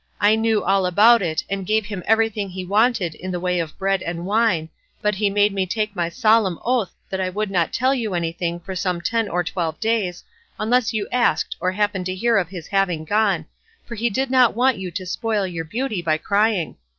I knew all about it, and gave him everything he wanted in the way of bread and wine, but he made me take my solemn oath that I would not tell you anything for some ten or twelve days, unless you asked or happened to hear of his having gone, for he did not want you to spoil your beauty by crying.